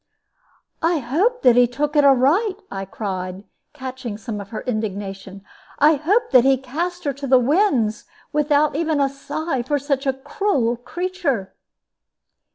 "I hope that he took it aright!" I cried, catching some of her indignation; "I hope that he cast her to the winds, without even a sigh for such a cruel creature!"